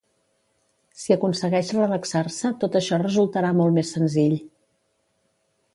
Si aconsegueix relaxar-se tot això resultarà molt més senzill.